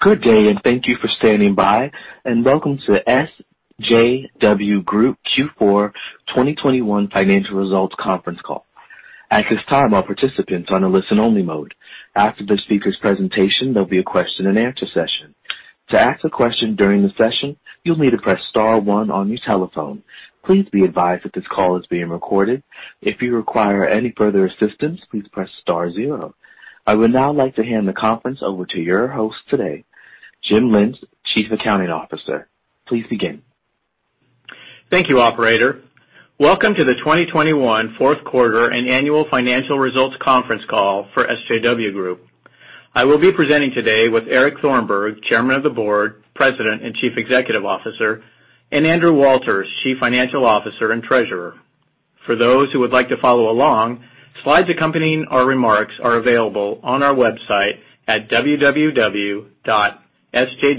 Good day, and thank you for standing by, and welcome to SJW Group Q4 2021 financial results conference call. At this time, all participants are on a listen only mode. After the speaker's presentation, there'll be a question and answer session. To ask a question during the session, you'll need to press star one on your telephone. Please be advised that this call is being recorded. If you require any further assistance, please press star zero. I would now like to hand the conference over to your host today, Jim Lynch, Chief Accounting Officer. Please begin. Thank you, operator. Welcome to the 2021 fourth quarter and annual financial results conference call for H2O America. I will be presenting today with Eric Thornburg, Chairman of the Board, President, and Chief Executive Officer, and Andrew Walters, Chief Financial Officer and Treasurer. For those who would like to follow along, slides accompanying our remarks are available on our website at www.sjwgroup.com. Before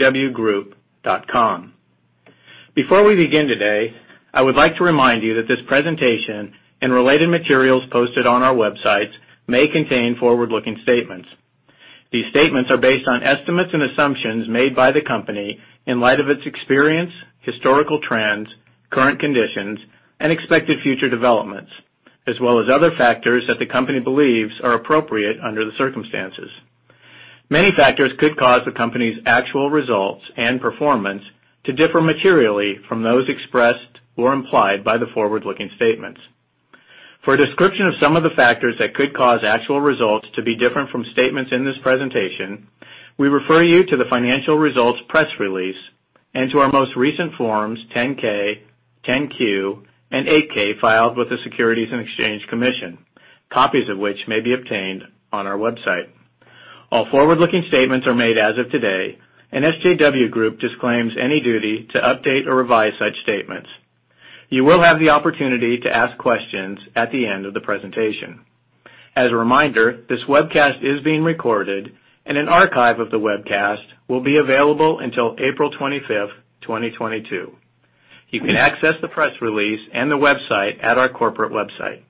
we begin today, I would like to remind you that this presentation and related materials posted on our websites may contain forward-looking statements. These statements are based on estimates and assumptions made by the company in light of its experience, historical trends, current conditions, and expected future developments, as well as other factors that the company believes are appropriate under the circumstances. Many factors could cause the company's actual results and performance to differ materially from those expressed or implied by the forward-looking statements. For a description of some of the factors that could cause actual results to be different from statements in this presentation, we refer you to the financial results press release and to our most recent Forms 10-K, 10-Q, and 8-K filed with the Securities and Exchange Commission, copies of which may be obtained on our website. All forward-looking statements are made as of today, and SJW Group disclaims any duty to update or revise such statements. You will have the opportunity to ask questions at the end of the presentation. As a reminder, this webcast is being recorded and an archive of the webcast will be available until April 25, 2022. You can access the press release and the website at our corporate website.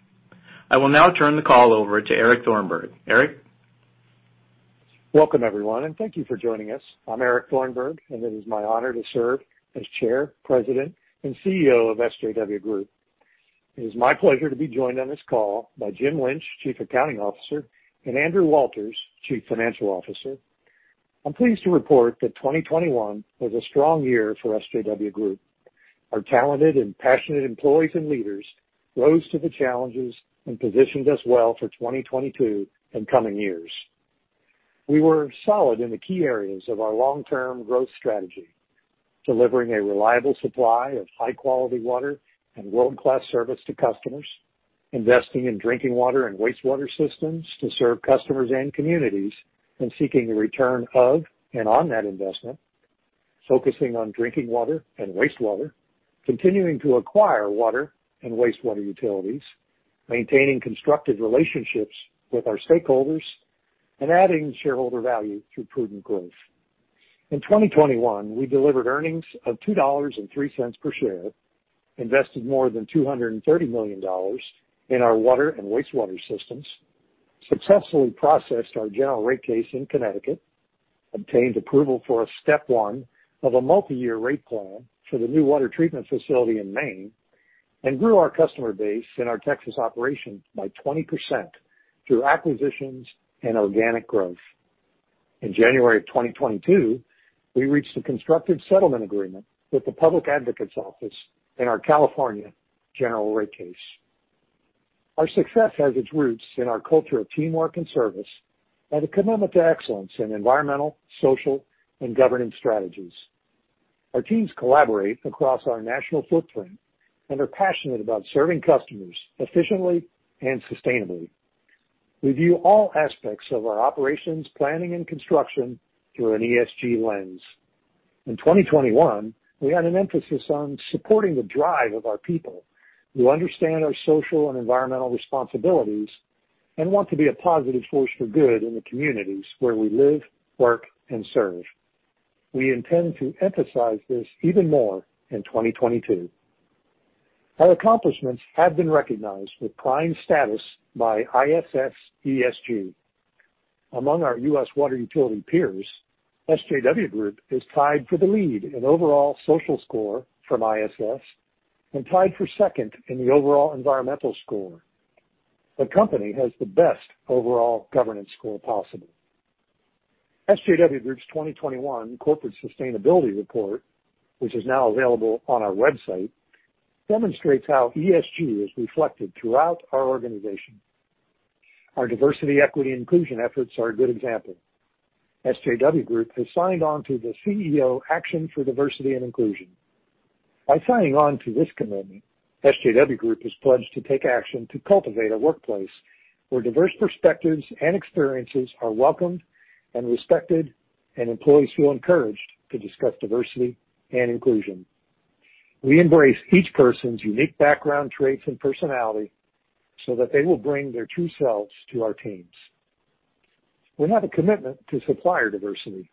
I will now turn the call over to Eric Thornburg. Eric. Welcome, everyone, and thank you for joining us. I'm Eric Thornburg, and it is my honor to serve as Chair, President, and CEO of SJW Group. It is my pleasure to be joined on this call by Jim Lynch, Chief Accounting Officer, and Andrew Walters, Chief Financial Officer. I'm pleased to report that 2021 was a strong year for SJW Group. Our talented and passionate employees and leaders rose to the challenges and positioned us well for 2022 and coming years. We were solid in the key areas of our long-term growth strategy, delivering a reliable supply of high-quality water and world-class service to customers, investing in drinking water and wastewater systems to serve customers and communities, and seeking the return of and on that investment, focusing on drinking water and wastewater, continuing to acquire water and wastewater utilities, maintaining constructive relationships with our stakeholders, and adding shareholder value through prudent growth. In 2021, we delivered earnings of $2.03 per share, invested more than $230 million in our water and wastewater systems, successfully processed our general rate case in Connecticut, obtained approval for a step one of a multi-year rate plan for the new water treatment facility in Maine, and grew our customer base in our Texas operations by 20% through acquisitions and organic growth. In January of 2022, we reached a constructive settlement agreement with the Public Advocates Office in our California general rate case. Our success has its roots in our culture of teamwork and service and a commitment to excellence in environmental, social, and governance strategies. Our teams collaborate across our national footprint and are passionate about serving customers efficiently and sustainably. We view all aspects of our operations, planning, and construction through an ESG lens. In 2021, we had an emphasis on supporting the drive of our people who understand our social and environmental responsibilities and want to be a positive force for good in the communities where we live, work, and serve. We intend to emphasize this even more in 2022. Our accomplishments have been recognized with prime status by ISS ESG. Among our U.S. water utility peers, SJW Group is tied for the lead in overall social score from ISS and tied for second in the overall environmental score. The company has the best overall governance score possible. SJW Group's 2021 corporate sustainability report, which is now available on our website, demonstrates how ESG is reflected throughout our organization. Our diversity, equity, and inclusion efforts are a good example. SJW Group has signed on to the CEO Action for Diversity & Inclusion. By signing on to this commitment, SJW Group has pledged to take action to cultivate a workplace where diverse perspectives and experiences are welcomed and respected, and employees feel encouraged to discuss diversity and inclusion. We embrace each person's unique background, traits, and personality so that they will bring their true selves to our teams. We have a commitment to supplier diversity.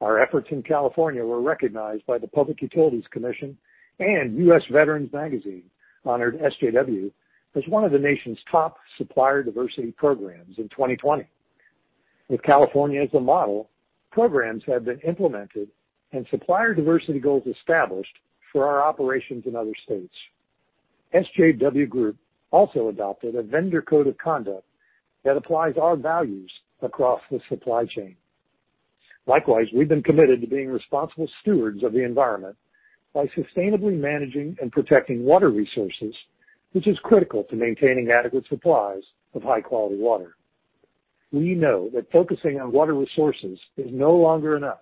Our efforts in California were recognized by the Public Utilities Commission and U.S. Veterans Magazine honored SJW as one of the nation's top supplier diversity programs in 2020. With California as a model, programs have been implemented and supplier diversity goals established for our operations in other states. SJW Group also adopted a vendor code of conduct that applies our values across the supply chain. Likewise, we've been committed to being responsible stewards of the environment by sustainably managing and protecting water resources, which is critical to maintaining adequate supplies of high-quality water. We know that focusing on water resources is no longer enough.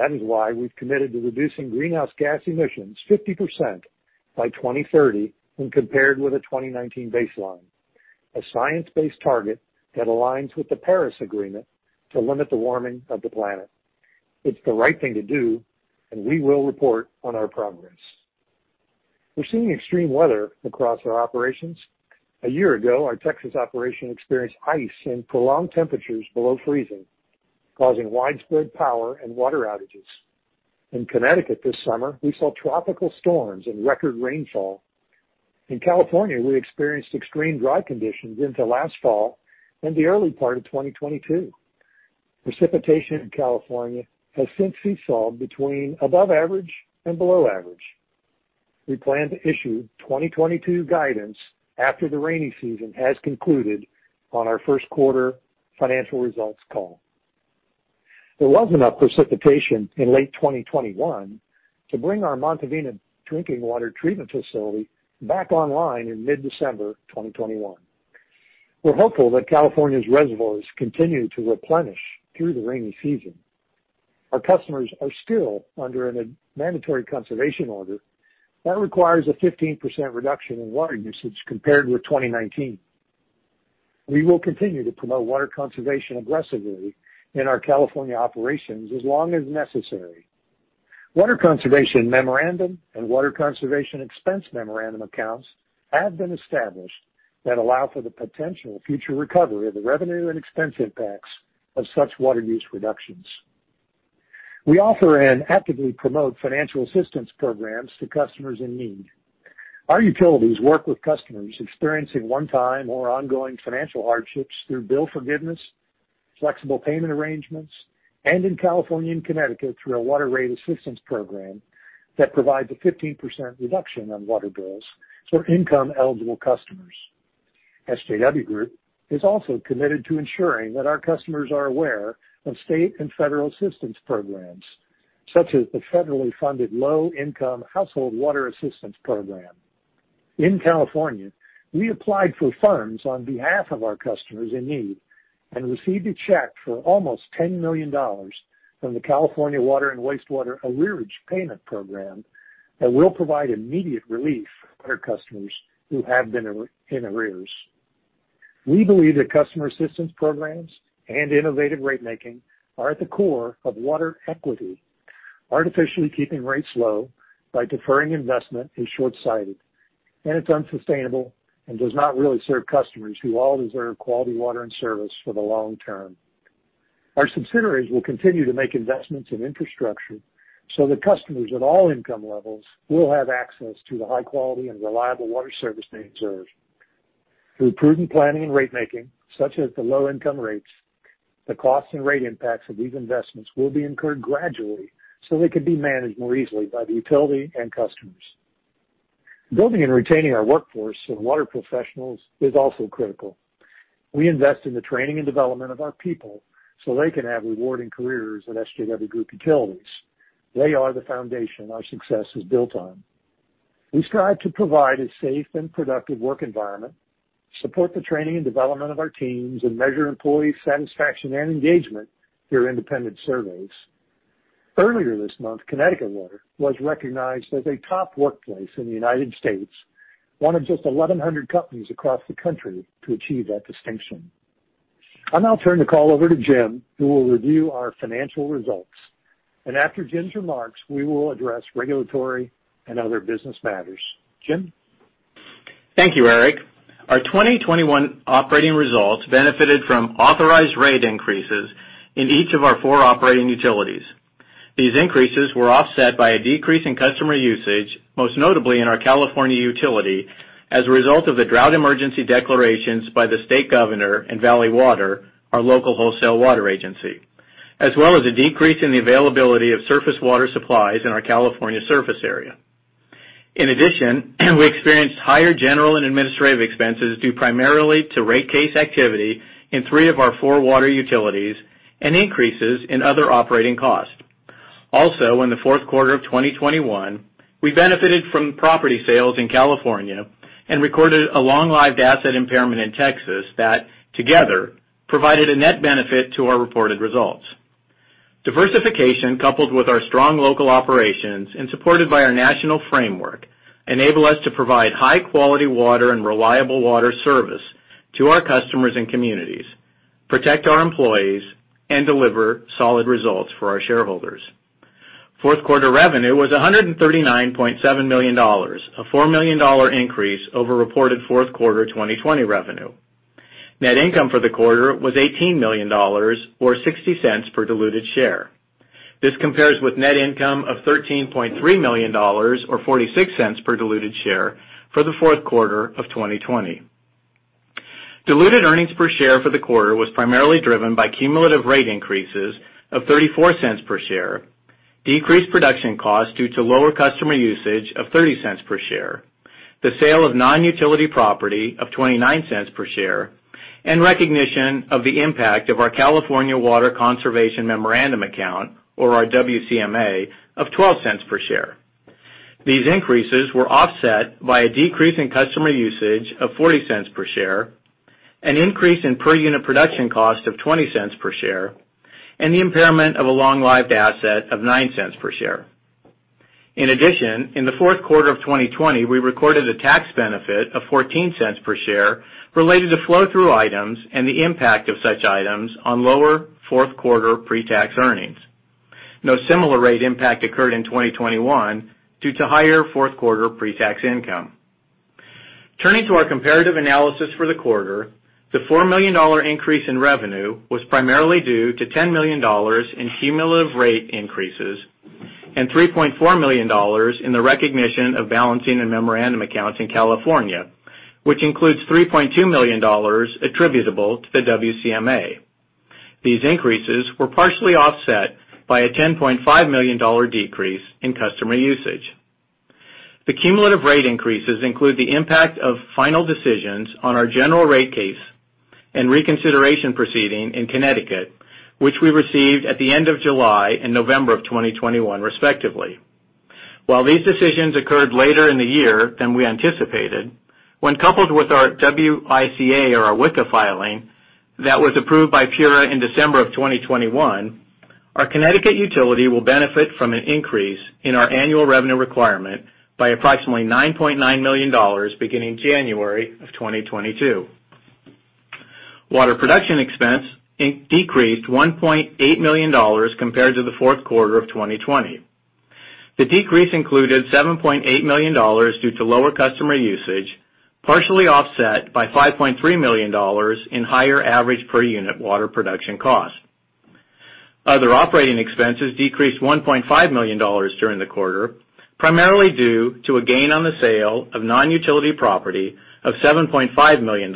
That is why we've committed to reducing greenhouse gas emissions 50% by 2030 when compared with the 2019 baseline, a science-based target that aligns with the Paris Agreement to limit the warming of the planet. It's the right thing to do, and we will report on our progress. We're seeing extreme weather across our operations. A year ago, our Texas operation experienced ice and prolonged temperatures below freezing, causing widespread power and water outages. In Connecticut this summer, we saw tropical storms and record rainfall. In California, we experienced extreme dry conditions into last fall and the early part of 2022. Precipitation in California has since seesawed between above average and below average. We plan to issue 2022 guidance after the rainy season has concluded on our first quarter financial results call. There was enough precipitation in late 2021 to bring our Montevina drinking water treatment facility back online in mid-December 2021. We're hopeful that California's reservoirs continue to replenish through the rainy season. Our customers are still under a mandatory conservation order that requires a 15% reduction in water usage compared with 2019. We will continue to promote water conservation aggressively in our California operations as long as necessary. Water Conservation Memorandum Account and Water Conservation Expense Memorandum Accounts have been established that allow for the potential future recovery of the revenue and expense impacts of such water use reductions. We offer and actively promote financial assistance programs to customers in need. Our utilities work with customers experiencing one-time or ongoing financial hardships through bill forgiveness, flexible payment arrangements, and in California and Connecticut through our water rate assistance program that provides a 15% reduction on water bills for income-eligible customers. SJW Group is also committed to ensuring that our customers are aware of state and federal assistance programs, such as the federally funded Low Income Household Water Assistance Program. In California, we applied for funds on behalf of our customers in need and received a check for almost $10 million from the California Water and Wastewater Arrearage Payment Program that will provide immediate relief for our customers who have been in arrears. We believe that customer assistance programs and innovative rate making are at the core of water equity. Artificially keeping rates low by deferring investment is shortsighted, and it's unsustainable and does not really serve customers who all deserve quality water and service for the long term. Our subsidiaries will continue to make investments in infrastructure so that customers at all income levels will have access to the high quality and reliable water service they deserve. Through prudent planning and rate making, such as the low income rates, the cost and rate impacts of these investments will be incurred gradually so they can be managed more easily by the utility and customers. Building and retaining our workforce of water professionals is also critical. We invest in the training and development of our people so they can have rewarding careers at H2O America. They are the foundation our success is built on. We strive to provide a safe and productive work environment, support the training and development of our teams, and measure employee satisfaction and engagement through independent surveys. Earlier this month, Connecticut Water was recognized as a top workplace in the United States, one of just 1,100 companies across the country to achieve that distinction. I'll now turn the call over to Jim, who will review our financial results. After Jim's remarks, we will address regulatory and other business matters. Jim? Thank you, Eric. Our 2021 operating results benefited from authorized rate increases in each of our four operating utilities. These increases were offset by a decrease in customer usage, most notably in our California utility, as a result of the drought emergency declarations by the state governor and Valley Water, our local wholesale water agency, as well as a decrease in the availability of surface water supplies in our California service area. In addition, we experienced higher general and administrative expenses due primarily to rate case activity in three of our four water utilities and increases in other operating costs. Also, in the fourth quarter of 2021, we benefited from property sales in California and recorded a long-lived asset impairment in Texas that together provided a net benefit to our reported results. Diversification, coupled with our strong local operations and supported by our national framework, enables us to provide high-quality water and reliable water service to our customers and communities, protect our employees, and deliver solid results for our shareholders. Fourth quarter revenue was $139.7 million, a $4 million increase over reported fourth quarter 2020 revenue. Net income for the quarter was $18 million or $0.60 per diluted share. This compares with net income of $13.3 million or $0.46 per diluted share for the fourth quarter of 2020. Diluted earnings per share for the quarter was primarily driven by cumulative rate increases of $0.34 per share, decreased production costs due to lower customer usage of $0.30 per share, the sale of non-utility property of $0.29 per share, and recognition of the impact of our California Water Conservation Memorandum Account, or our WCMA, of $0.12 per share. These increases were offset by a decrease in customer usage of $0.40 per share, an increase in per-unit production cost of $0.20 per share, and the impairment of a long-lived asset of $0.09 per share. In addition, in the fourth quarter of 2020, we recorded a tax benefit of $0.14 per share related to flow-through items and the impact of such items on lower fourth quarter pre-tax earnings. No similar rate impact occurred in 2021 due to higher fourth quarter pre-tax income. Turning to our comparative analysis for the quarter, the $4 million increase in revenue was primarily due to $10 million in cumulative rate increases and $3.4 million in the recognition of balancing and memorandum accounts in California, which includes $3.2 million attributable to the WCMA. These increases were partially offset by a $10.5 million decrease in customer usage. The cumulative rate increases include the impact of final decisions on our general rate case and reconsideration proceeding in Connecticut, which we received at the end of July and November of 2021, respectively. While these decisions occurred later in the year than we anticipated, when coupled with our WICA filing that was approved by PURA in December 2021, our Connecticut utility will benefit from an increase in our annual revenue requirement by approximately $9.9 million beginning January 2022. Water production expense decreased $1.8 million compared to the fourth quarter of 2020. The decrease included $7.8 million due to lower customer usage, partially offset by $5.3 million in higher average per unit water production cost. Other operating expenses decreased $1.5 million during the quarter, primarily due to a gain on the sale of non-utility property of $7.5 million,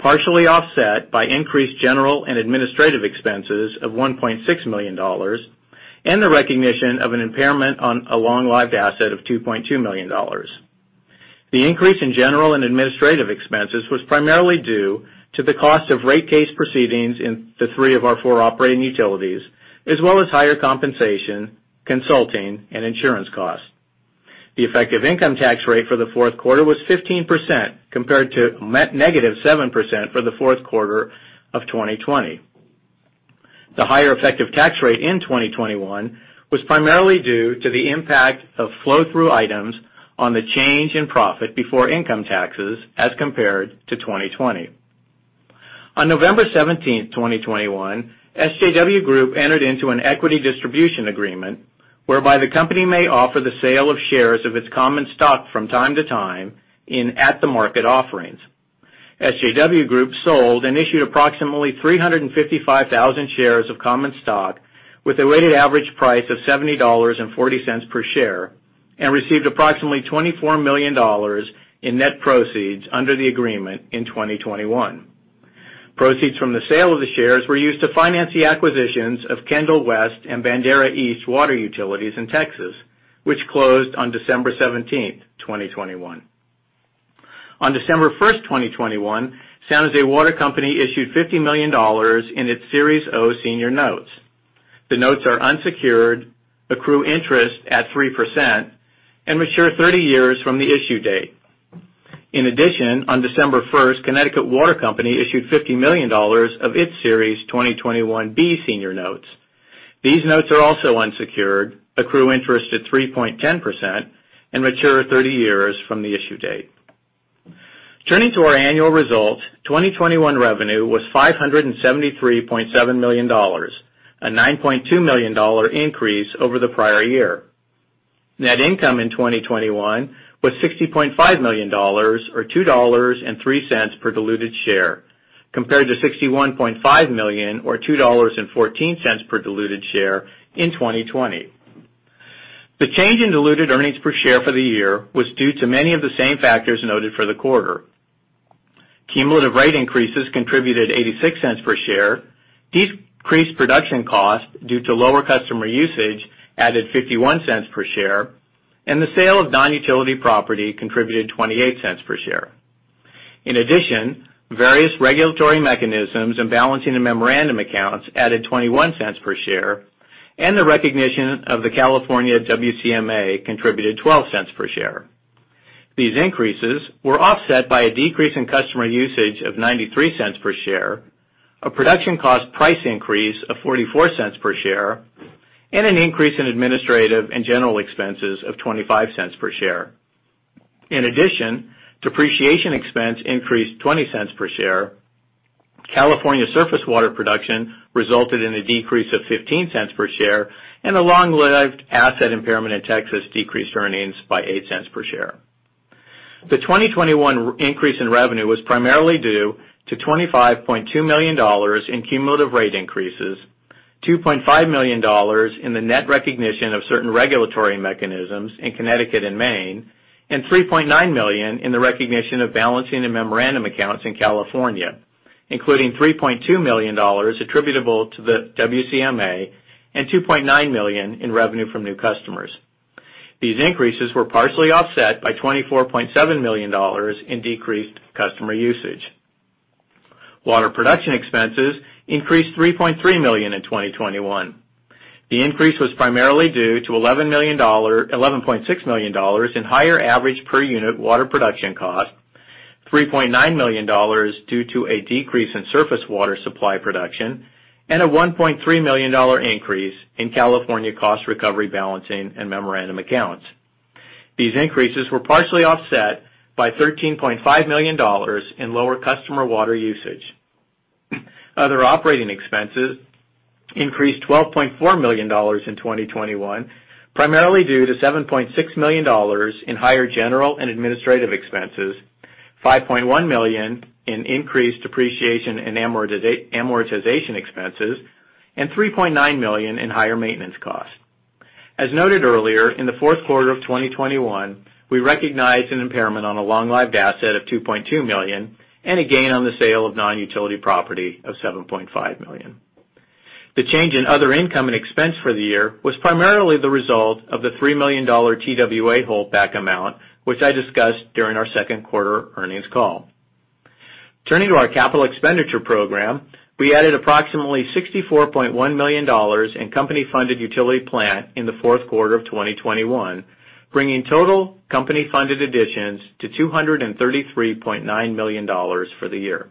partially offset by increased general and administrative expenses of $1.6 million and the recognition of an impairment on a long-lived asset of $2.2 million. The increase in general and administrative expenses was primarily due to the cost of rate case proceedings in three of our four operating utilities, as well as higher compensation, consulting, and insurance costs. The effective income tax rate for the fourth quarter was 15% compared to net -7% for the fourth quarter of 2020. The higher effective tax rate in 2021 was primarily due to the impact of flow-through items on the change in profit before income taxes as compared to 2020. On November 17, 2021, SJW Group entered into an equity distribution agreement whereby the company may offer the sale of shares of its common stock from time to time in at-the-market offerings. SJW Group sold and issued approximately 355,000 shares of common stock with a weighted average price of $70.40 per share and received approximately $24 million in net proceeds under the agreement in 2021. Proceeds from the sale of the shares were used to finance the acquisitions of Kendall West and Bandera East water utilities in Texas, which closed on December 17, 2021. On December 1, 2021, San Jose Water Company issued $50 million in its Series O senior notes. The notes are unsecured, accrue interest at 3%, and mature 30 years from the issue date. In addition, on December 1, Connecticut Water Company issued $50 million of its Series 2021B senior notes. These notes are also unsecured, accrue interest at 3.10%, and mature 30 years from the issue date. Turning to our annual results, 2021 revenue was $573.7 million, a $9.2 million increase over the prior year. Net income in 2021 was $60.5 million, or $2.03 per diluted share, compared to $61.5 million, or $2.14 per diluted share in 2020. The change in diluted earnings per share for the year was due to many of the same factors noted for the quarter. Cumulative rate increases contributed $0.86 per share, decreased production costs due to lower customer usage added $0.51 per share, and the sale of non-utility property contributed $0.28 per share. In addition, various regulatory mechanisms and balancing the memorandum accounts added $0.21 per share, and the recognition of the California WCMA contributed $0.12 per share. These increases were offset by a decrease in customer usage of $0.93 per share, a production cost price increase of $0.44 per share, and an increase in administrative and general expenses of $0.25 per share. In addition, depreciation expense increased $0.20 per share. California surface water production resulted in a decrease of $0.15 per share, and a long-lived asset impairment in Texas decreased earnings by $0.08 per share. The 2021 increase in revenue was primarily due to $25.2 million in cumulative rate increases, $2.5 million in the net recognition of certain regulatory mechanisms in Connecticut and Maine, and $3.9 million in the recognition of balancing the memorandum accounts in California, including $3.2 million attributable to the WCMA and $2.9 million in revenue from new customers. These increases were partially offset by $24.7 million in decreased customer usage. Water production expenses increased $3.3 million in 2021. The increase was primarily due to $11.6 million in higher average per unit water production cost, $3.9 million due to a decrease in surface water supply production, and a $1.3 million increase in California cost recovery balancing and memorandum accounts. These increases were partially offset by $13.5 million in lower customer water usage. Other operating expenses increased $12.4 million in 2021, primarily due to $7.6 million in higher general and administrative expenses, $5.1 million in increased depreciation and amortization expenses, and $3.9 million in higher maintenance costs. As noted earlier, in the fourth quarter of 2021, we recognized an impairment on a long-lived asset of $2.2 million and a gain on the sale of non-utility property of $7.5 million. The change in other income and expense for the year was primarily the result of the $3 million TWA holdback amount, which I discussed during our second quarter earnings call. Turning to our capital expenditure program, we added approximately $64.1 million in company-funded utility plant in the fourth quarter of 2021, bringing total company-funded additions to $233.9 million for the year.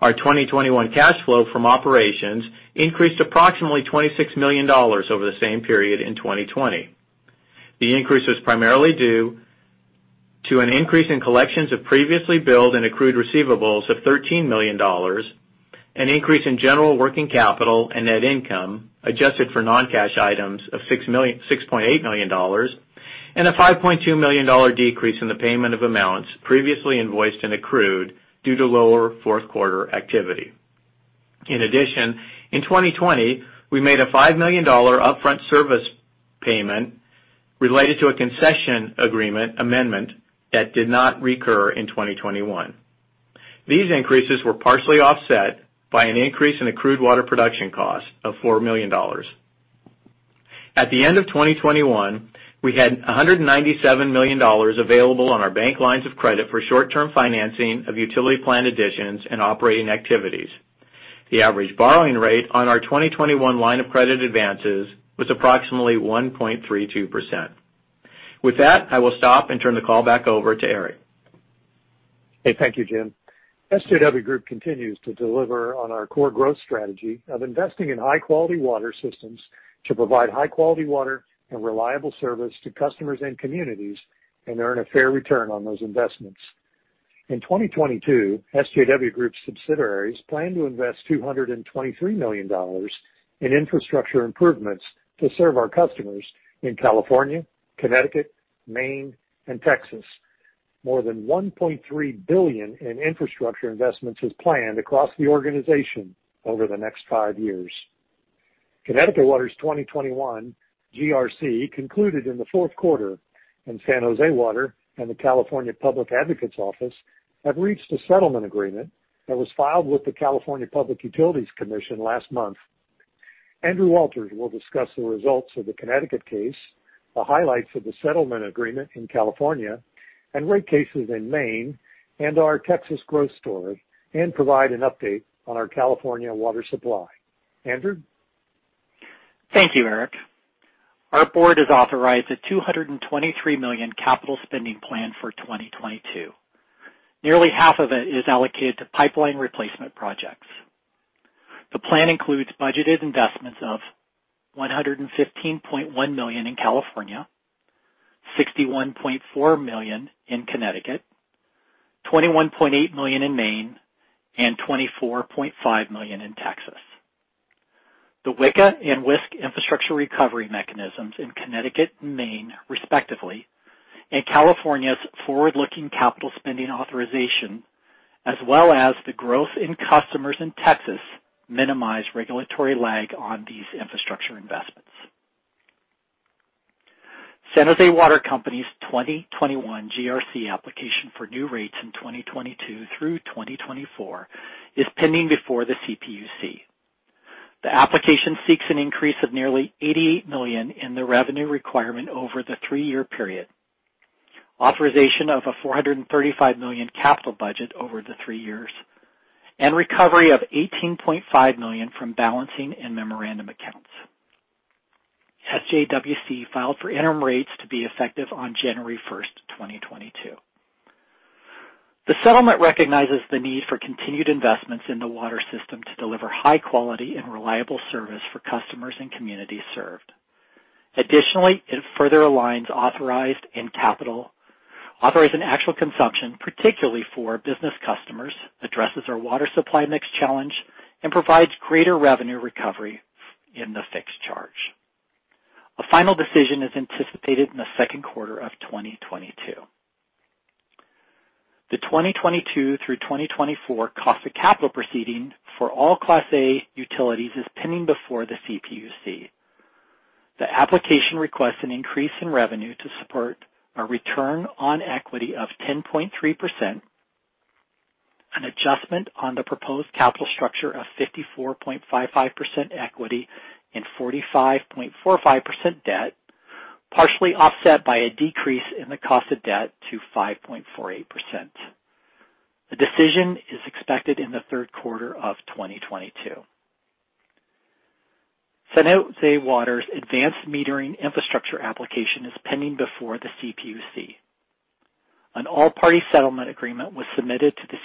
Our 2021 cash flow from operations increased approximately $26 million over the same period in 2020. The increase was primarily due to an increase in collections of previously billed and accrued receivables of $13 million, an increase in general working capital and net income, adjusted for non-cash items of $6.8 million, and a $5.2 million decrease in the payment of amounts previously invoiced and accrued due to lower fourth quarter activity. In addition, in 2020, we made a $5 million upfront service payment related to a concession agreement amendment that did not recur in 2021. These increases were partially offset by an increase in accrued water production costs of $4 million. At the end of 2021, we had $197 million available on our bank lines of credit for short-term financing of utility plant additions and operating activities. The average borrowing rate on our 2021 line of credit advances was approximately 1.32%. With that, I will stop and turn the call back over to Eric. Hey, thank you, Jim. SJW Group continues to deliver on our core growth strategy of investing in high-quality water systems to provide high-quality water and reliable service to customers and communities and earn a fair return on those investments. In 2022, SJW Group subsidiaries plan to invest $223 million in infrastructure improvements to serve our customers in California, Connecticut, Maine, and Texas. More than $1.3 billion in infrastructure investments is planned across the organization over the next five years. Connecticut Water's 2021 GRC concluded in the fourth quarter, and San Jose Water and the Public Advocates Office have reached a settlement agreement that was filed with the California Public Utilities Commission last month. Andrew Walters will discuss the results of the Connecticut case, the highlights of the settlement agreement in California, and rate cases in Maine and our Texas growth story, and provide an update on our California water supply. Andrew? Thank you, Eric. Our board has authorized a $223 million capital spending plan for 2022. Nearly half of it is allocated to pipeline replacement projects. The plan includes budgeted investments of $115.1 million in California, $61.4 million in Connecticut, $21.8 million in Maine, and $24.5 million in Texas. The WICA and WISC infrastructure recovery mechanisms in Connecticut and Maine, respectively, and California's forward-looking capital spending authorization, as well as the growth in customers in Texas, minimize regulatory lag on these infrastructure investments. San Jose Water Company's 2021 GRC application for new rates in 2022 through 2024 is pending before the CPUC. The application seeks an increase of nearly $88 million in the revenue requirement over the three-year period, authorization of a $435 million capital budget over the three years, and recovery of $18.5 million from balancing and memorandum accounts. SJWC filed for interim rates to be effective on January 1, 2022. The settlement recognizes the need for continued investments in the water system to deliver high quality and reliable service for customers and communities served. Additionally, it further aligns authorized and actual consumption, particularly for business customers, addresses our water supply mix challenge, and provides greater revenue recovery in the fixed charge. A final decision is anticipated in the second quarter of 2022. The 2022 through 2024 cost of capital proceeding for all Class A utilities is pending before the CPUC. The application requests an increase in revenue to support a return on equity of 10.3%, an adjustment on the proposed capital structure of 54.55% equity and 45.45% debt, partially offset by a decrease in the cost of debt to 5.48%. The decision is expected in the third quarter of 2022. San Jose Water's advanced metering infrastructure application is pending before the CPUC. An all-party settlement agreement was submitted to the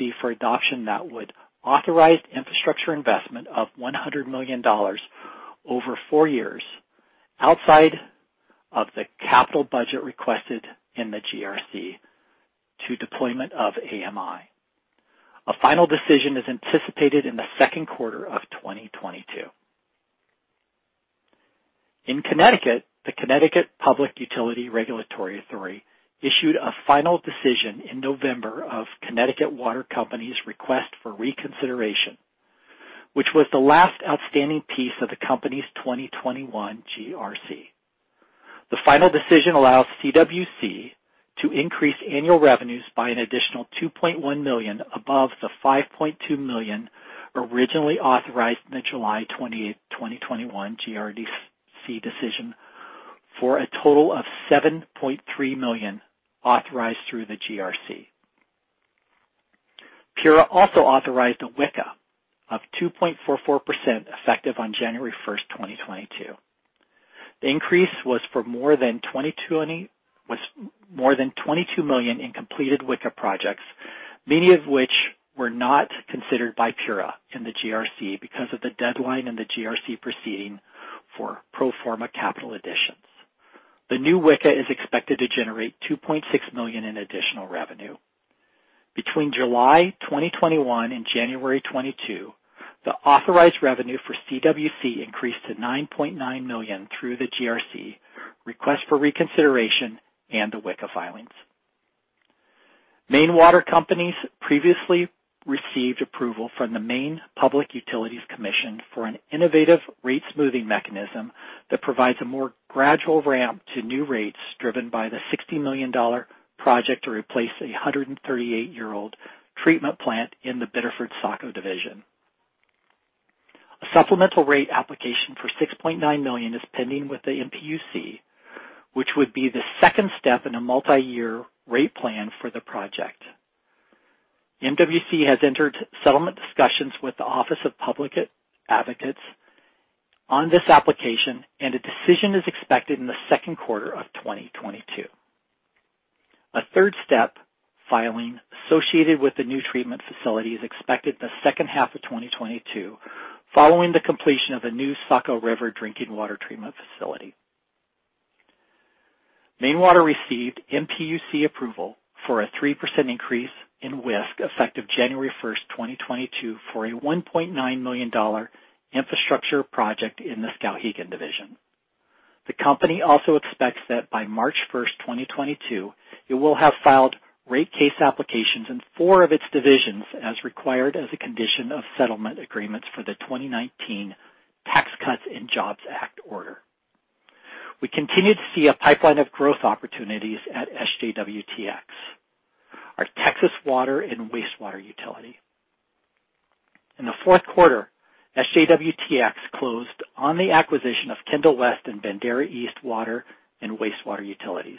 CPUC for adoption that would authorize infrastructure investment of $100 million over four years outside of the capital budget requested in the GRC to deployment of AMI. A final decision is anticipated in the second quarter of 2022. In Connecticut, the Connecticut Public Utilities Regulatory Authority issued a final decision in November on Connecticut Water Company's request for reconsideration, which was the last outstanding piece of the company's 2021 GRC. The final decision allows CWC to increase annual revenues by an additional $2.1 million above the $5.2 million originally authorized in the July 28, 2021 GRC decision, for a total of $7.3 million authorized through the GRC. PURA also authorized a WICA of 2.44% effective on January 1, 2022. The increase was for more than $22 million in completed WICA projects, many of which were not considered by PURA in the GRC because of the deadline in the GRC proceeding for pro forma capital additions. The new WICA is expected to generate $2.6 million in additional revenue. Between July 2021 and January 2022, the authorized revenue for CWC increased to $9.9 million through the GRC request for reconsideration and the WICA filings. Maine Water Company previously received approval from the Maine Public Utilities Commission for an innovative rate-smoothing mechanism that provides a more gradual ramp to new rates, driven by the $60 million project to replace a 138-year-old treatment plant in the Biddeford Saco division. A supplemental rate application for $6.9 million is pending with the MPUC, which would be the second step in a multi-year rate plan for the project. MWC has entered settlement discussions with the Office of Public Advocates on this application, and a decision is expected in the second quarter of 2022. A third-step filing associated with the new treatment facility is expected in the second half of 2022 following the completion of the new Saco River drinking water treatment facility. Maine Water received MPUC approval for a 3% increase in WISC, effective January 1, 2022, for a $1.9 million infrastructure project in the Skowhegan division. The company also expects that by March 1, 2022, it will have filed rate case applications in four of its divisions, as required as a condition of settlement agreements for the 2019 Tax Cuts and Jobs Act order. We continue to see a pipeline of growth opportunities at SJWTX, our Texas water and wastewater utility. In the fourth quarter, SJWTX closed on the acquisition of Kendall West and Bandera East Water and Wastewater Utilities.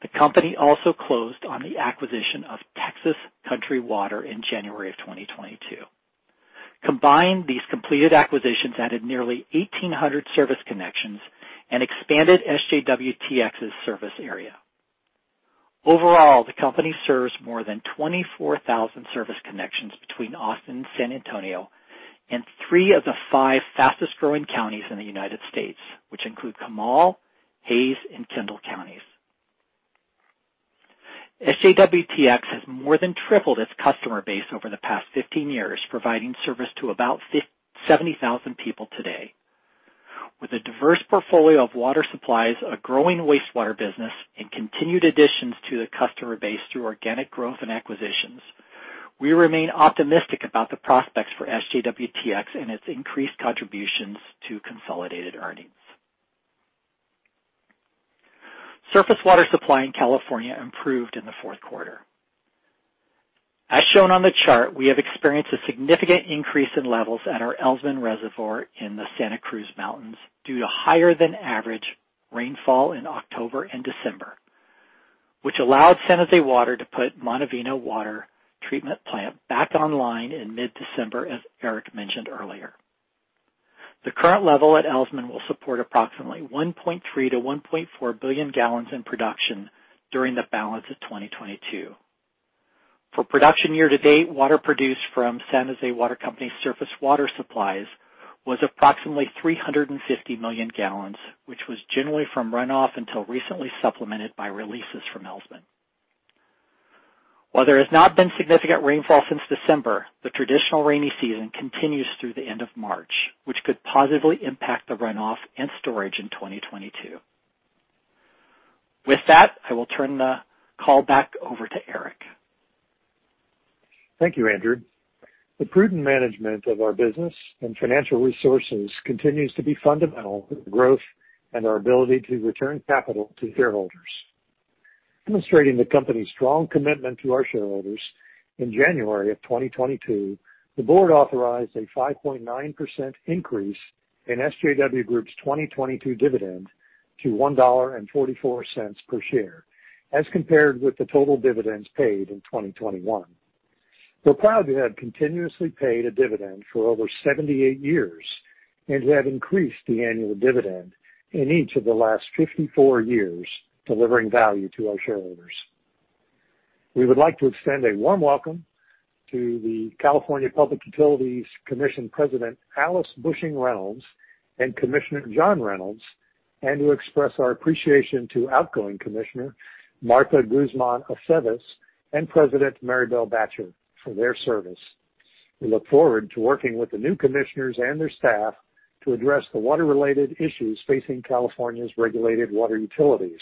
The company also closed on the acquisition of Texas Country Water in January 2022. Combined, these completed acquisitions added nearly 1,800 service connections and expanded SJWTX's service area. Overall, the company serves more than 24,000 service connections between Austin and San Antonio and three of the five fastest-growing counties in the United States, which include Comal, Hays, and Kendall Counties. SJWTX has more than tripled its customer base over the past 15 years, providing service to about 70,000 people today. With a diverse portfolio of water supplies, a growing wastewater business, and continued additions to the customer base through organic growth and acquisitions, we remain optimistic about the prospects for SJWTX and its increased contributions to consolidated earnings. Surface water supply in California improved in the fourth quarter. As shown on the chart, we have experienced a significant increase in levels at our Elsman Reservoir in the Santa Cruz Mountains due to higher-than-average rainfall in October and December, which allowed San Jose Water to put Montevina Water Treatment Plant back online in mid-December, as Eric mentioned earlier. The current level at Elsman will support approximately 1.3-1.4 billion gallons in production during the balance of 2022. For production year to date, water produced from San Jose Water Company surface water supplies was approximately 350 million gallons, which was generally from runoff until recently supplemented by releases from Elsman. While there has not been significant rainfall since December, the traditional rainy season continues through the end of March, which could positively impact the runoff and storage in 2022. With that, I will turn the call back over to Eric. Thank you, Andrew. The prudent management of our business and financial resources continues to be fundamental for the growth and our ability to return capital to shareholders. Demonstrating the company's strong commitment to our shareholders, in January of 2022, the board authorized a 5.9% increase in SJW Group's 2022 dividend to $1.44 per share as compared with the total dividends paid in 2021. We're proud to have continuously paid a dividend for over 78 years and to have increased the annual dividend in each of the last 54 years, delivering value to our shareholders. We would like to extend a warm welcome to the California Public Utilities Commission President Alice Busching Reynolds and Commissioner John Reynolds, and to express our appreciation to outgoing Commissioner Martha Guzman Aceves and President Marybel Batjer for their service. We look forward to working with the new commissioners and their staff to address the water-related issues facing California's regulated water utilities.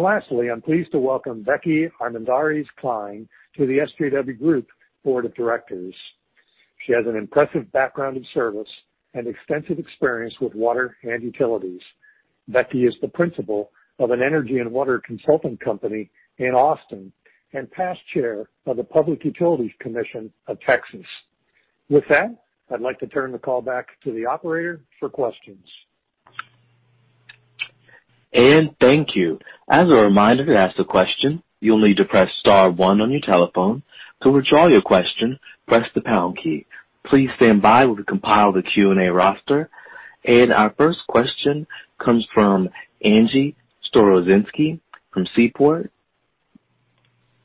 Lastly, I'm pleased to welcome Becky Armendariz Klein to the SJW Group Board of Directors. She has an impressive background of service and extensive experience with water and utilities. Becky is the principal of an energy and water consulting company in Austin and past chair of the Public Utility Commission of Texas. With that, I'd like to turn the call back to the operator for questions. Thank you. As a reminder, to ask a question, you'll need to press star one on your telephone. To withdraw your question, press the pound key. Please stand by while we compile the Q&A roster. Our first question comes from Angie Storozynski from Seaport.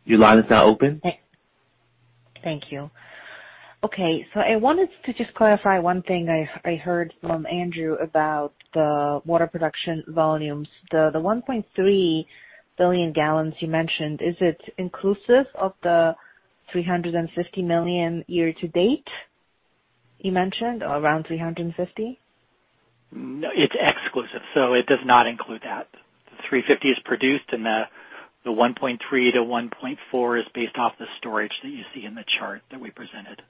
Your line is now open. Thank you. Okay, I wanted to just clarify one thing I heard from Andrew about the water production volumes. The 1.3 billion gallons you mentioned, is it inclusive of the $350 million year to date you mentioned, around 350? No, it's exclusive, so it does not include that. The $350 million is produced, and the $1.3-$1.4 is based off the storage that you see in the chart that we presented.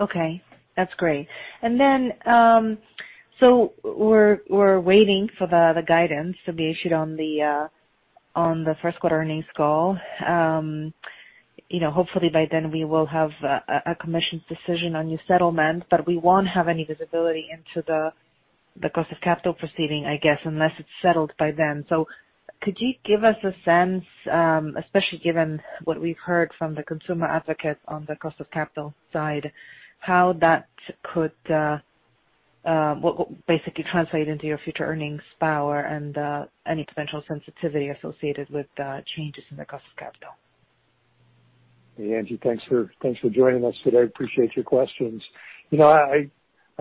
Okay, that's great. We're waiting for the guidance to be issued on the first quarter earnings call. You know, hopefully by then we will have a Commission's decision on your settlement, but we won't have any visibility into the cost of capital proceeding, I guess, unless it's settled by then. Could you give us a sense, especially given what we've heard from the consumer advocates on the cost of capital side, how that could basically translate into your future earnings power and any potential sensitivity associated with changes in the cost of capital? Hey, Angie, thanks for joining us today. I appreciate your questions. You know, I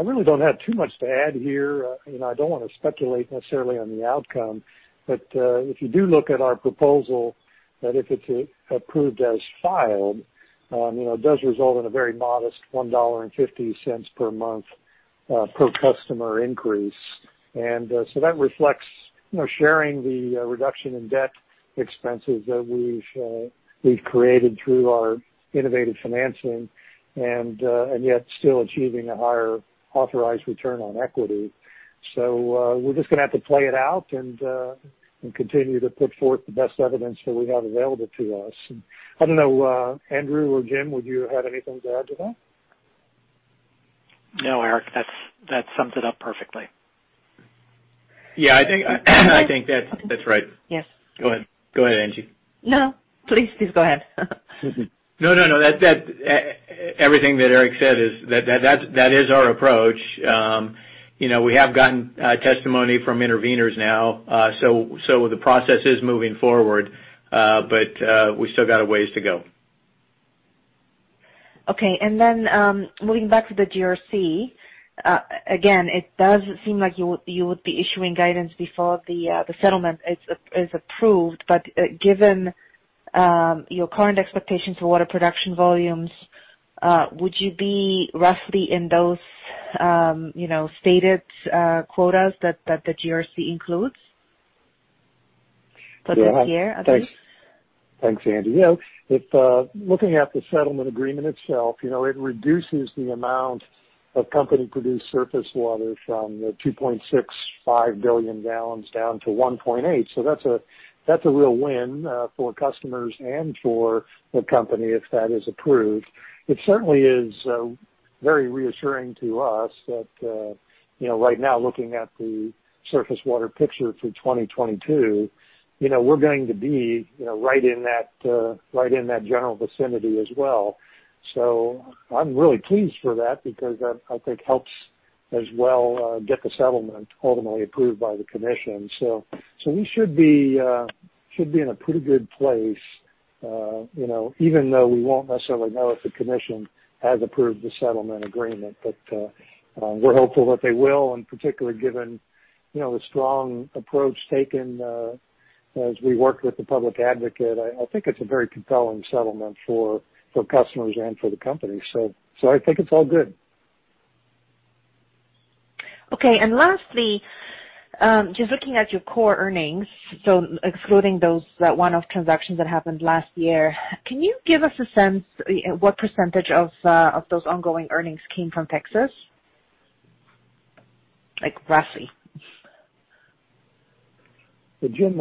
really don't have too much to add here. You know, I don't wanna speculate necessarily on the outcome. If you do look at our proposal, that if it's approved as filed, you know, it does result in a very modest $1.50 per month per customer increase. That reflects, you know, sharing the reduction in debt expenses that we've created through our innovative financing and yet still achieving a higher authorized return on equity. We're just gonna have to play it out and continue to put forth the best evidence that we have available to us. I don't know, Andrew or Jim, would you have anything to add to that? No, Eric. That sums it up perfectly. Yeah, I think that's right. Yes. Go ahead, Angie. No. Please, please go ahead. No. That everything that Eric said is that is our approach. You know, we have gotten testimony from interveners now. The process is moving forward, but we still got a ways to go. Okay. Moving back to the GRC, again, it does seem like you would be issuing guidance before the settlement is approved. Given your current expectations for water production volumes, would you be roughly in those, you know, stated quotas that the GRC includes for this year, I think? Yeah. Thanks, Angie. You know, if looking at the settlement agreement itself, you know, it reduces the amount of company-produced surface water from 2.65 billion gallons down to 1.8. That's a real win for customers and for the company if that is approved. It certainly is very reassuring to us that, you know, right now, looking at the surface water picture through 2022, you know, we're going to be right in that general vicinity as well. I'm really pleased for that because that, I think helps as well get the settlement ultimately approved by the commission. We should be in a pretty good place, you know, even though we won't necessarily know if the commission has approved the settlement agreement. We're hopeful that they will, and particularly given, you know, the strong approach taken, as we work with the Public Advocate, I think it's a very compelling settlement for customers and for the company. I think it's all good. Okay. Lastly, just looking at your core earnings, so excluding those one-off transactions that happened last year, can you give us a sense what percentage of those ongoing earnings came from Texas? Like, roughly. Jim,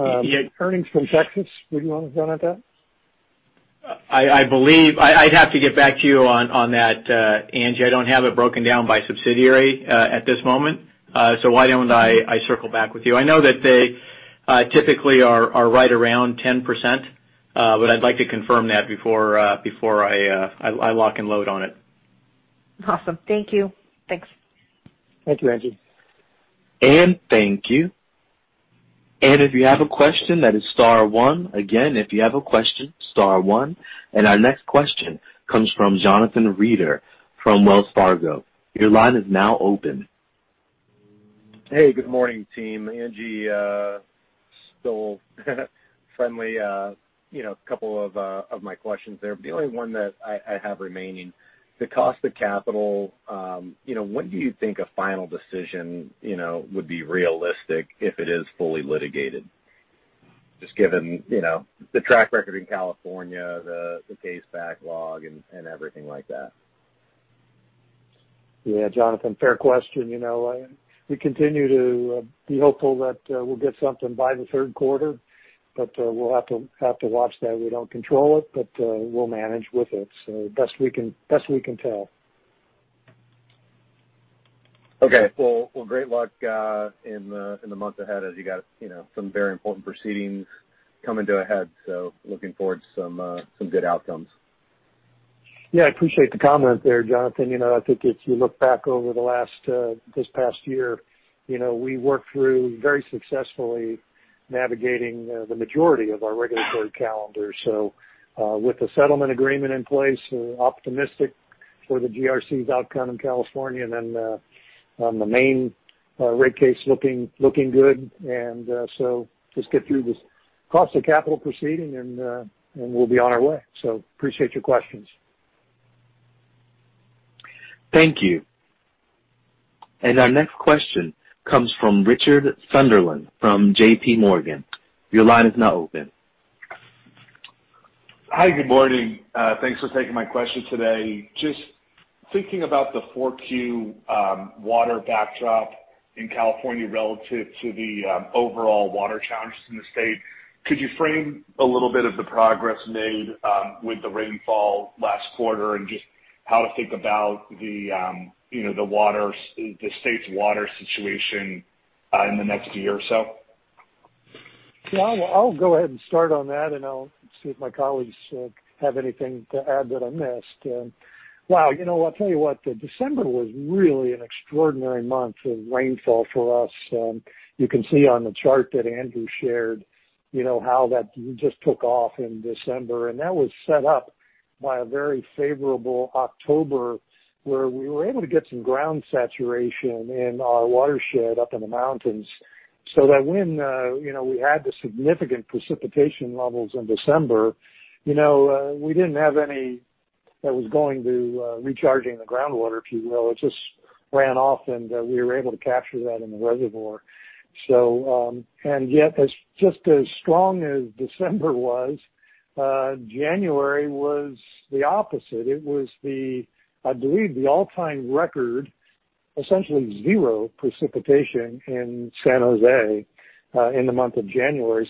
earnings from Texas, would you wanna comment on that? I believe I'd have to get back to you on that, Angie. I don't have it broken down by subsidiary at this moment. Why don't I circle back with you? I know that they typically are right around 10%, but I'd like to confirm that before I lock and load on it. Awesome. Thank you. Thanks. Thank you, Angie. Thank you. If you have a question, that is star one. Again, if you have a question, star one. Our next question comes from Jonathan Reeder from Wells Fargo. Your line is now open. Hey, good morning, team. Angie stole my questions there, but the only one that I have remaining, the cost of capital, you know, when do you think a final decision would be realistic if it is fully litigated? Just given, you know, the track record in California, the case backlog and everything like that. Yeah. Jonathan, fair question. You know, we continue to be hopeful that we'll get something by the third quarter, but we'll have to watch that. We don't control it, but we'll manage with it best we can tell. Okay. Well, great luck in the month ahead as you got, you know, some very important proceedings coming to a head, so looking forward to some good outcomes. Yeah, I appreciate the comment there, Jonathan. You know, I think if you look back over the last this past year, you know, we worked through very successfully navigating the majority of our regulatory calendar. With the settlement agreement in place, we're optimistic for the GRC's outcome in California and then on the Maine rate case looking good. Just get through this cost of capital proceeding and we'll be on our way. I appreciate your questions. Thank you. Our next question comes from Richard Sunderland from J.P. Morgan. Your line is now open. Hi. Good morning. Thanks for taking my question today. Just thinking about the 4Q water backdrop in California relative to the overall water challenges in the state, could you frame a little bit of the progress made with the rainfall last quarter and just how to think about the, you know, the state's water situation in the next year or so? Yeah. I'll go ahead and start on that, and I'll see if my colleagues have anything to add that I missed. Wow, you know, I'll tell you what, the December was really an extraordinary month of rainfall for us. You can see on the chart that Andrew shared, you know, how that just took off in December. That was set up by a very favorable October, where we were able to get some ground saturation in our watershed up in the mountains, so that when you know, we had the significant precipitation levels in December, you know, we didn't have any that was going to recharging the groundwater, if you will. It just ran off, and we were able to capture that in the reservoir. Yet, as just as strong as December was, January was the opposite. It was the, I believe, the all-time record, essentially zero precipitation in San Jose in the month of January.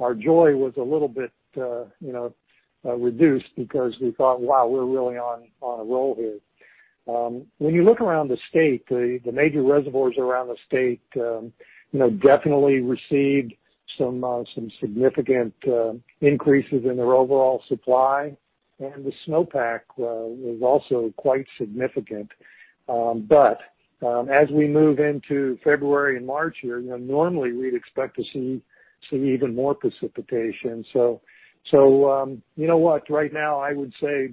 Our joy was a little bit, you know, reduced because we thought, wow, we're really on a roll here. When you look around the state, the major reservoirs around the state, you know, definitely received some significant increases in their overall supply, and the snowpack was also quite significant. As we move into February and March here, you know, normally we'd expect to see even more precipitation. You know what? Right now, I would say,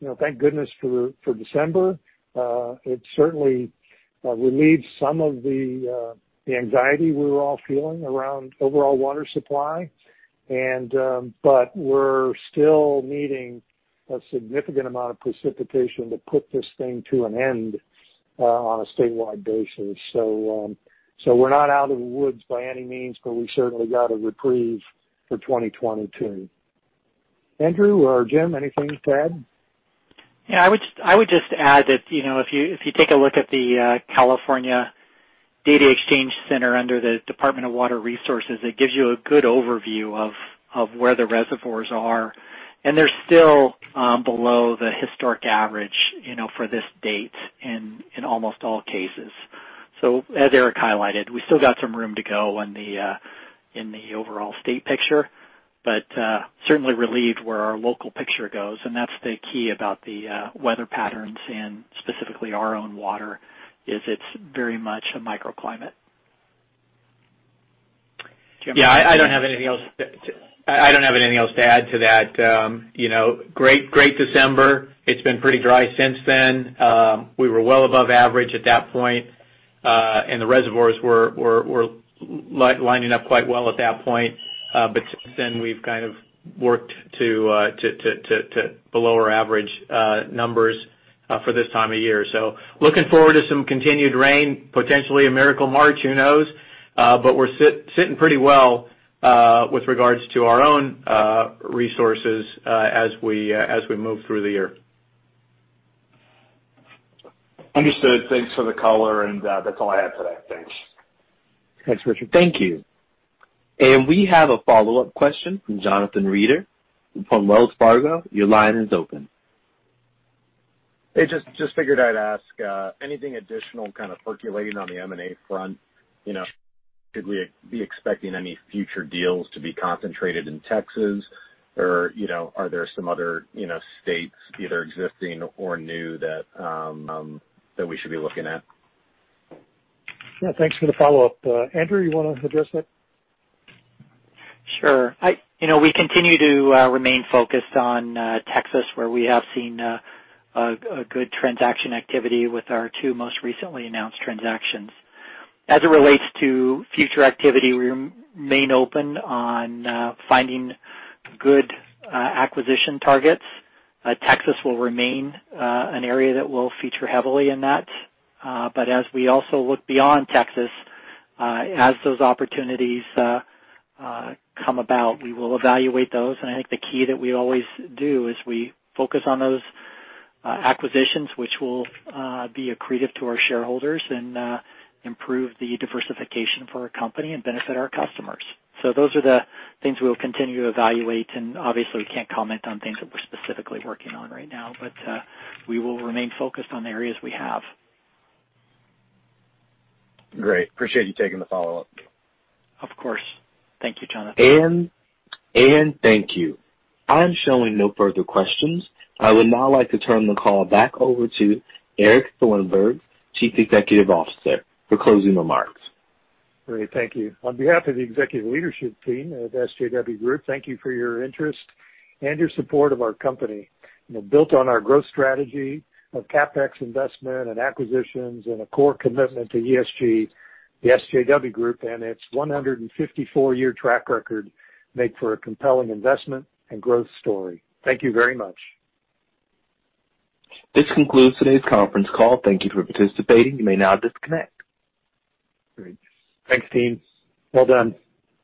you know, thank goodness for December. It certainly relieved some of the anxiety we were all feeling around overall water supply. We're still needing a significant amount of precipitation to put this thing to an end, on a statewide basis. We're not out of the woods by any means, but we've certainly got a reprieve for 2022. Andrew or Jim, anything to add? Yeah, I would just add that, you know, if you take a look at the California Data Exchange Center under the Department of Water Resources, it gives you a good overview of where the reservoirs are, and they're still below the historic average, you know, for this date in almost all cases. As Eric highlighted, we still got some room to go in the overall state picture, but certainly relieved where our local picture goes. That's the key about the weather patterns and specifically our own water. It's very much a microclimate. Yeah, I don't have anything else to add to that. You know, great December. It's been pretty dry since then. We were well above average at that point, and the reservoirs were lining up quite well at that point. Since then, we've kind of worked to below our average numbers for this time of year. Looking forward to some continued rain, potentially a miracle March, who knows? We're sitting pretty well with regards to our own resources as we move through the year. Understood. Thanks for the color, and, that's all I have for today. Thanks. Thanks, Richard. Thank you. We have a follow-up question from Jonathan Reeder from Wells Fargo. Your line is open. Hey, just figured I'd ask, anything additional kind of percolating on the M&A front. You know, could we be expecting any future deals to be concentrated in Texas? Or, you know, are there some other, you know, states either existing or new that we should be looking at? Yeah, thanks for the follow-up. Andrew, you wanna address that? Sure. You know, we continue to remain focused on Texas, where we have seen a good transaction activity with our two most recently announced transactions. As it relates to future activity, we remain open on finding good acquisition targets. Texas will remain an area that will feature heavily in that. But as we also look beyond Texas, as those opportunities come about, we will evaluate those. I think the key that we always do is we focus on those acquisitions, which will be accretive to our shareholders and improve the diversification for our company and benefit our customers. Those are the things we'll continue to evaluate, and obviously, we can't comment on things that we're specifically working on right now, but we will remain focused on the areas we have. Great. Appreciate you taking the follow-up. Of course. Thank you, Jonathan. Thank you. I'm showing no further questions. I would now like to turn the call back over to Eric Thornburg, Chief Executive Officer, for closing remarks. Great. Thank you. On behalf of the executive leadership team at SJW Group, thank you for your interest and your support of our company. You know, built on our growth strategy of CapEx investment and acquisitions and a core commitment to ESG, the SJW Group and its 154-year track record make for a compelling investment and growth story. Thank you very much. This concludes today's conference call. Thank you for participating. You may now disconnect. Great. Thanks, team. Well done.